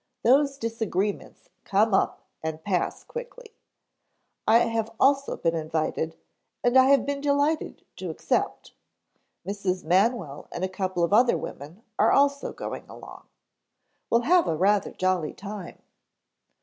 Those disagreements come up and pass quickly. I have also been invited, and I have been delighted to accept. Mrs. Manwell and a couple of other women are also going along. We'll have rather a jolly time."